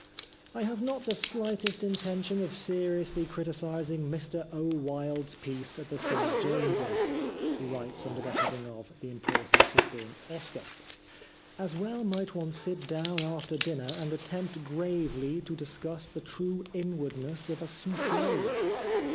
I have not the slightest intention of seriously criticising Mr O. Wilde's piece at the St James's," he writes under the heading of " The Importance of Being Oscar," " as well might one sit down after dinner and attempt gravely to discuss the true inwardness of a souffle.